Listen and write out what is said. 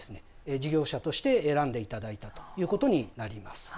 事業者として選んでいただいたということになります。